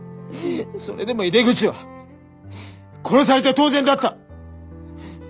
それでも井出口は殺されて当然だった。